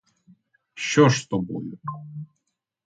Що ж з тобою?